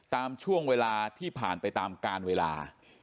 ตามช่วงเวลาที่ผ่านไปตามการเวลา